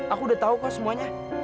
aku udah tahu kok semuanya